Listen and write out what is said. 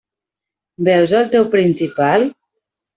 Veus el teu principal?